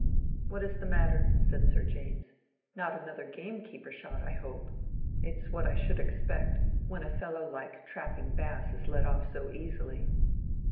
"What is the matter?" said Sir James. "Not another gamekeeper shot, I hope? It's what I should expect, when a fellow like Trapping Bass is let off so easily."